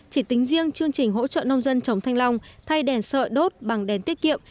chỉ tính riêng chương trình hỗ trợ nông dân chống thanh long thay đèn sợi đốt bằng đèn tiết kiệm